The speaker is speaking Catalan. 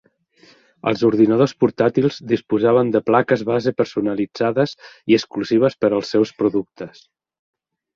Els ordinadors portàtils disposaven de plaques base personalitzades i exclusives per als seus productes.